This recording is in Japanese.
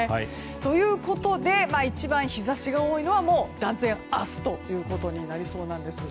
ということで一番、日差しが多いのは断然、明日ということになりそうなんです。